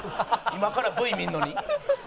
今からＶ見るのに。